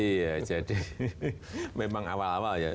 iya jadi memang awal awal ya